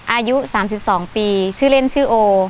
อายุ๓๒ปีชื่อเล่นชื่อโอ